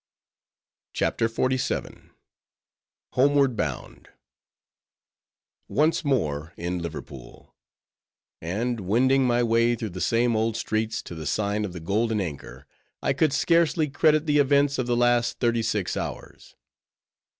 CHAPTER XLVII. HOMEWARD BOUND Once more in Liverpool; and wending my way through the same old streets to the sign of the Golden Anchor; I could scarcely credit the events of the last thirty six hours.